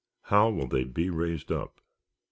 How will they he raised up ?